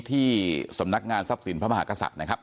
ที่สำนักงานทรัพย์สินพระมหากษัตริย์นะครับ